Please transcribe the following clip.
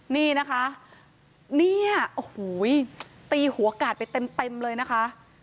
นี่นะคะเนี่ยโอ้โหตีหัวกาดไปเต็มเลยนะคะ